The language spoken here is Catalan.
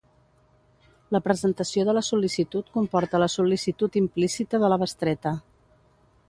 La presentació de la sol·licitud comporta la sol·licitud implícita de la bestreta.